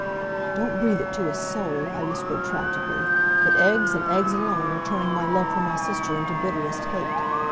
"Don't breathe it to a soul," I whispered, tragically, "but eggs, and eggs alone, are turning my love for my sister into bitterest hate.